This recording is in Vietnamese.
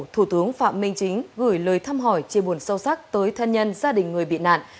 thủ tướng phạm minh chính gửi lời thăm hỏi chia buồn sâu sắc tới thân nhân gia đình người bị nạn